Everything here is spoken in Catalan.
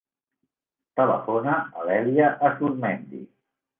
Telefona a l'Èlia Azurmendi.